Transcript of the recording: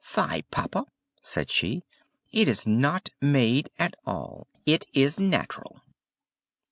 "Fie, papa!" said she. "It is not made at all, it is natural!"